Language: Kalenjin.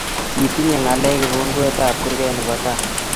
Kitinyei ngalek kibunguetab kurget nebo tai